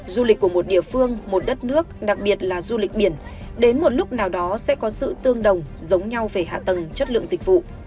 du lịch của một địa phương một đất nước đặc biệt là du lịch biển đến một lúc nào đó sẽ có sự tương đồng giống nhau về hạ tầng chất lượng dịch vụ